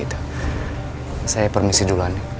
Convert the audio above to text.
kita pergi dulu andi